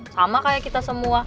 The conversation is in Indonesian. sama kayak kita semua